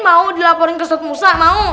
mau dilaporin ke sholat musa mau